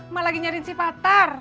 mak lagi nyariin si patar